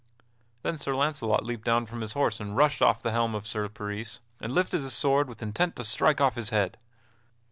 Then Sir Launcelot leaped down from his horse and rushed off the helm of Sir Peris, and lifted his sword with intent to strike off his head.